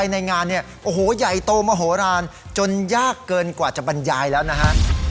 ในงานเนี่ยโอ้โหใหญ่โตมโหลานจนยากเกินกว่าจะบรรยายแล้วนะฮะ